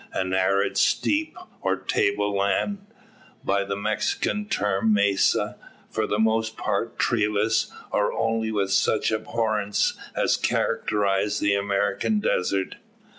An arid steppe, or table land, by the Mexicans termed mesa; for the most part treeless, or only with such arborescence as characterises the American desert.